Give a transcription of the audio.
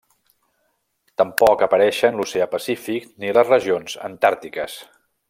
Tampoc apareixen l'oceà Pacífic ni les regions antàrtiques.